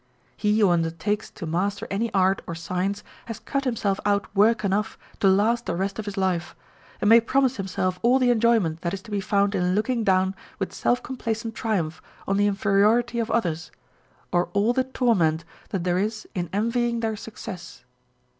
He who under takes to master any art or science has cut himself out work enough to last the rest of his life, and may promise himself all the enjoyment that is to be found in looking down with self complacent triumph on the inferiority of others, or all the torment that there is in envying their success.